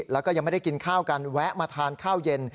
แล้วก็ยังไม่ได้กินข้าวกันแวะมาทานข้าวเย็น